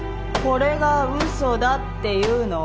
これが嘘だって言うの？